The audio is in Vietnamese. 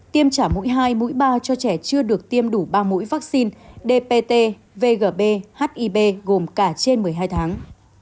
tiêm trả mũi hai mũi ba cho trẻ chưa được tiêm đủ ba mũi vắc xin dpt vgb hib gồm cả trên một mươi hai tháng